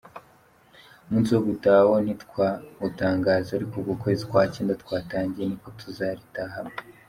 Umunsi wo gutaha wo ntitwawutangaza, ariko uku kwezi kwa Cyenda twatangiye niko tuzaritahamo”.